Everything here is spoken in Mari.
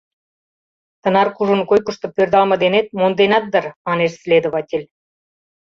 — Тынар кужун койкышто пӧрдалме денет монденат дыр, — манеш следователь.